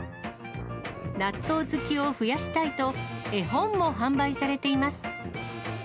納豆好きを増やしたいと、絵本も販売されています。